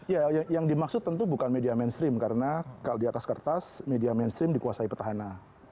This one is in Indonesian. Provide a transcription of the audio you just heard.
ya yang dimaksud tentu bukan media mainstream karena kalau di atas kertas media mainstream dikuasai petahana